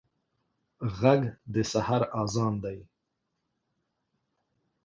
غږ د سحر اذان دی